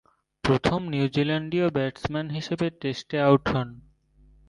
প্রথম নিউজিল্যান্ডীয় ব্যাটসম্যান হিসেবে টেস্টে আউট হন।